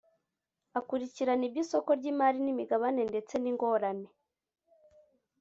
Akurikirana iby’isoko ry’imari n’imigabane ndetse n’ingorane